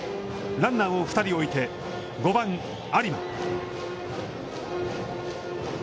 ランナーを２人置いて、５番有馬。